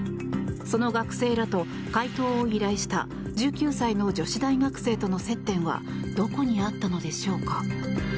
その学生らと解答を依頼した１９歳の女子大学生との接点はどこにあったのでしょうか。